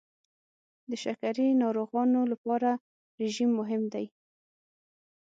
د شکرې ناروغانو لپاره رژیم مهم دی.